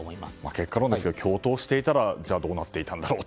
結果論ですが、共闘していたらどうなっていたんだろう